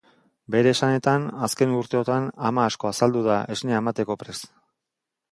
Bere esanetan, azken urteotan ama asko azaldu da esnea emateko prest.